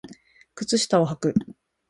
靴下をはく